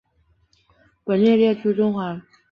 本列表列出中华人民共和国天津市境内的博物馆。